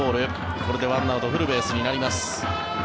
これで１アウトフルベースになります。